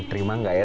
terima nggak ya